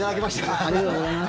ありがとうございます。